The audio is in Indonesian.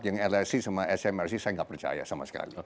yang lsc sama smrc saya gak percaya sama sekali